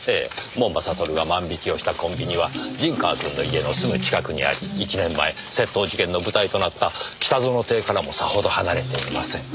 門馬悟が万引きをしたコンビニは陣川くんの家のすぐ近くにあり１年前窃盗事件の舞台となった北薗邸からもさほど離れていません。